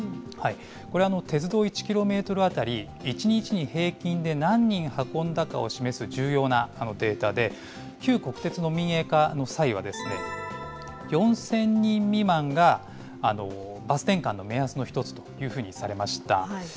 これ、鉄道１キロメートル当たり１日に平均で何人運んだかを示す重要なデータで、旧国鉄の民営化の際は、４０００人未満がバス転換の目安の１つというふうにされました。